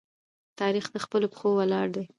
تاریخ د خپلو پښو ولاړ دی.